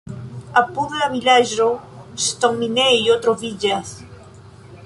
Apud la vilaĝo ŝtonminejo troviĝas.